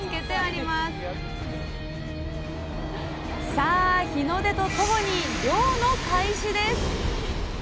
さあ日の出とともに漁の開始です！